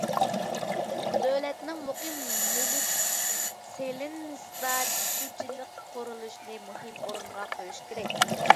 دۆلەتنىڭ مۇقىم مۈلۈك سېلىنمىسىدا سۇچىلىق قۇرۇلۇشىنى مۇھىم ئورۇنغا قويۇش كېرەك.